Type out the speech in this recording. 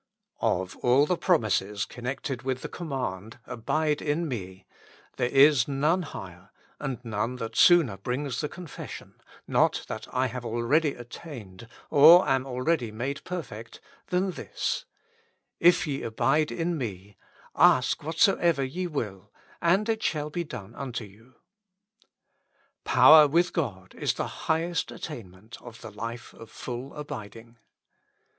OF all the promises connected with the command, "Abide in me," there is none higher, and none that sooner brings the confession, *' Not that I have already attained, or am already made perfect," than this : "If ye abide in me, ask whatsoever ye will, and it shall be done unto you. '' Power with God is the highest attainment of the life of full abiding.